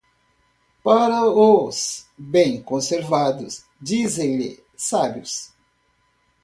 Para os bem conservados dizem-lhe sábios.